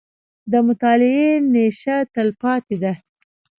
• د مطالعې نیشه، تلپاتې ده.